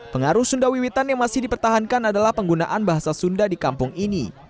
pengaruh sunda wiwitan yang masih dipertahankan adalah penggunaan bahasa sunda di kampung ini